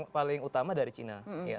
paling utama dari cina